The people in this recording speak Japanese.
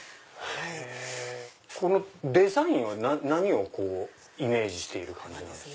このデザインは何をイメージしている感じですか？